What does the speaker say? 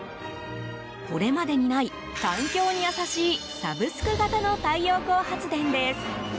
これまでにない、環境に優しいサブスク型の太陽光発電です。